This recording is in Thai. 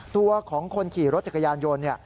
ตัวของคนขี่รถจักรยานยนต์